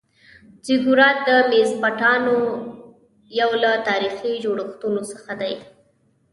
زیګورات د میزوپتامیا یو له تاریخي جوړښتونو څخه دی.